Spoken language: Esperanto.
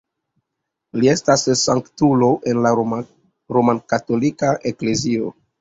Li estas sanktulo en la romkatolika eklezio.